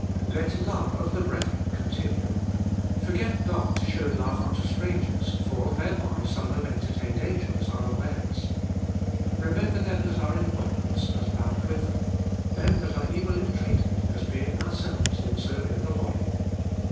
.— 1. Let love of the brethren continue. 2. Forget not to shew love unto strangers: for thereby some have enter tained angels unawares. 3. Remember them that are in bonds, as bound with them; them that are evil entreated, as being ourselves also in the body.